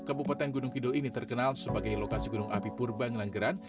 kabupaten gunung kidul ini terkenal sebagai lokasi gunung api purbang langgeran